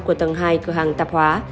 của tầng hai cửa hàng tạp hóa